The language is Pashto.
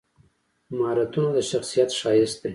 مهارتونه د شخصیت ښایست دی.